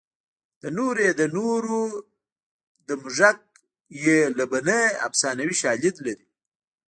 د نورو یې له نورو د موږک یې له بنۍ افسانوي شالید لري